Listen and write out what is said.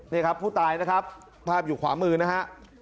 นี่ครับผู้ตายนะครับภาพอยู่ขวามือนะฮะ